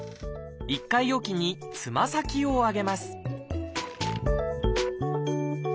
１回置きにつま先を上げます